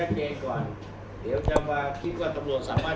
เดี๋ยวจำว่าคิดว่าสมรวจสามารถ